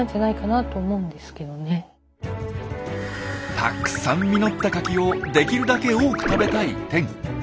たくさん実ったカキをできるだけ多く食べたいテン。